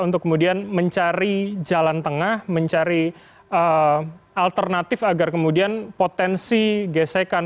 untuk kemudian mencari jalan tengah mencari alternatif agar kemudian potensi gesekan